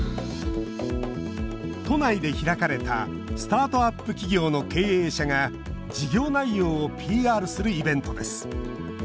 都内で開かれたスタートアップ企業の経営者が事業内容をＰＲするイベントです